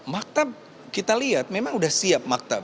maktab kita lihat memang sudah siap maktab